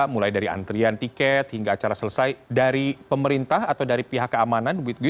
mulai dari antrian tiket hingga acara selesai dari pemerintah atau dari pihak keamanan